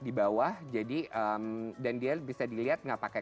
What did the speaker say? di bawah jadi dan dia bisa dilihat nggak pakai